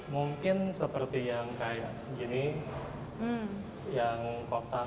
mungkin seperti yang ini yang kota polos